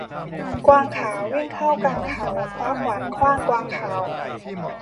กวางขาววิ่งเข้ากลางเขา คว้าขวานขว้างกวางขาว